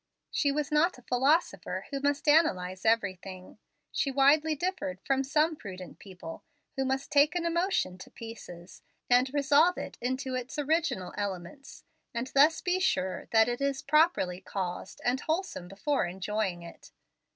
She was not a philosopher who must analyze everything. She widely differed from some prudent people who must take an emotion to pieces, and resolve it into its original elements, and thus be sure that it is properly caused and wholesome before enjoying it.